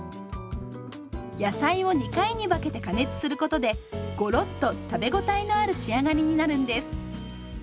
野菜を２回に分けて加熱することでゴロッと食べごたえのある仕上がりになるんです。